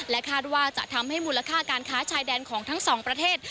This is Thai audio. คาดว่าจะทำให้มูลค่าการค้าชายแดนของทั้งสองประเทศ